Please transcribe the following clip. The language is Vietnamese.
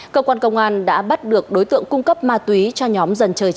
cơ quan công an đã bắt được đối tượng cung cấp ma túy cho nhóm